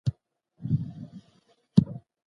د خپلې ټولني اصلاح ته پام وکړئ.